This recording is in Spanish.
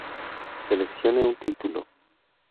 Seleccione un título.